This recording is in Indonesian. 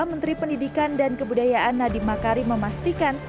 menteri pendidikan dan kebudayaan nadiem makarim memastikan